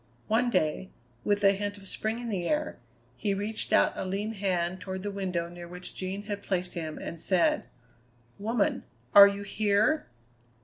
One day, with a hint of spring in the air, he reached out a lean hand toward the window near which Jean had placed him, and said: "Woman, are you here?"